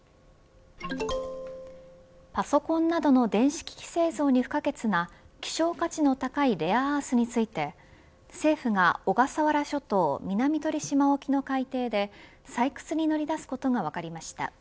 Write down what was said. パソコンなどの電子機器製造に不可欠な希少価値の高いレアアースについて政府が、小笠原諸島南鳥島沖の海底で採掘に乗り出すことが分かりました。